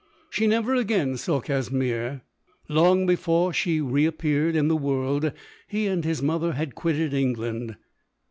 She never again saw Casimir. Long before she re appeared in the world, he and his mother had quitted England.